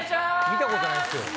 見たことないっすよ。